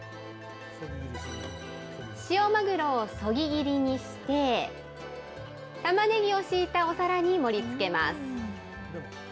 塩マグロをそぎ切りにして、たまねぎを敷いたお皿に盛りつけます。